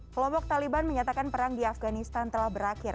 kelompok taliban menyatakan perang di afganistan telah berakhir